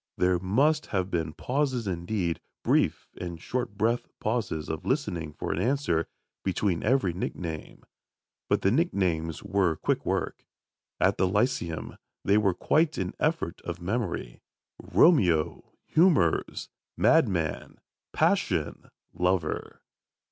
There must have been pauses indeed, brief and short breath'd pauses of listening for an answer, between every nickname. But the nicknames were quick work. At the Lyceum they were quite an effort of memory: "Romeo! Humours! Madman! Passion! Lover!"